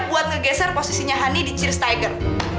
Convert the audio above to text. buat ngegeser posisinya honey di cheers tiger